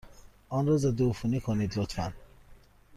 آن را ضدعفونی کنید، لطفا.